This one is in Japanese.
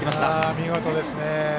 見事ですね。